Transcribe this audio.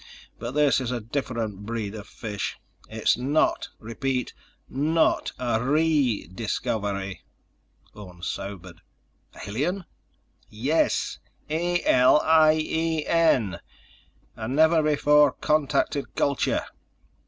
But this is a different breed of fish. It's not, repeat, not a re discovery." Orne sobered. "Alien?" "Yes. A L I E N! A never before contacted culture.